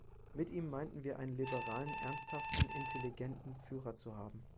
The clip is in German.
Mit ihm meinten wir einen liberalen, ernsthaften, intelligenten Führer zu haben.